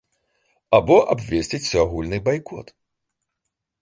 Альбо абвесціць усеагульны байкот.